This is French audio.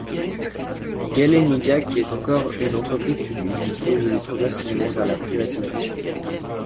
Galenika, qui est encore une entreprise publique, évolue progressivement vers la privatisation.